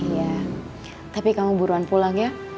iya tapi kamu buruan pulang ya